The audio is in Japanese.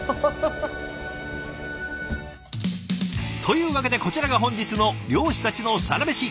というわけでこちらが本日の漁師たちのサラメシ。